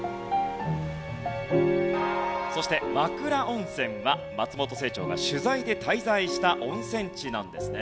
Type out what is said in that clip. そして和倉温泉は松本清張が取材で滞在した温泉地なんですね。